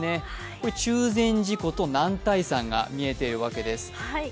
これ、中禅寺湖と男体山が見えているわけです。